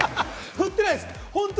振ってないです。